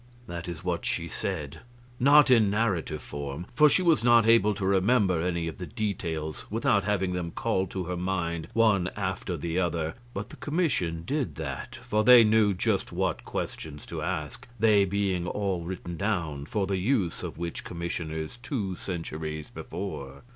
That is what she said not in narrative form, for she was not able to remember any of the details without having them called to her mind one after the other; but the commission did that, for they knew just what questions to ask, they being all written down for the use of witch commissioners two centuries before.